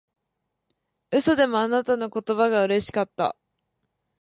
嘘でもあなたの言葉がうれしかった